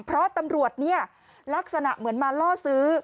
เพราะตำรวจเนี่ยลักษณะเหมือนมาล่อซื้อ